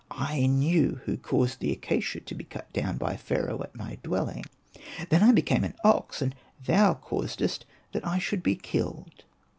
I knew who caused the acacia to be cut down by Pharaoh at my dwelling. I then became an ox, and thou causedst that I should be killed.'